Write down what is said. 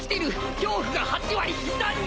恐怖が８割膝に！